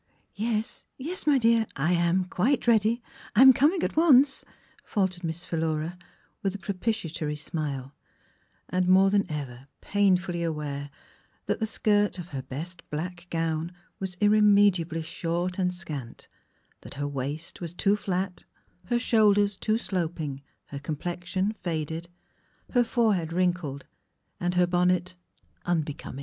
"Yes, yes, my dear, I am quite ready — I am coming at once !" faltered Miss Philura, with a propitiatory smile, and more than ever painfully aware that the skirt of her best black gown was irremedi ably short and scant, that her waist was too flat, her shoulders too sloping, her complexion faded, her forehead wrinkled, and her bonnet unbecoming.